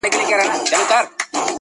o د لاس په گوتو کي لا هم فرق سته!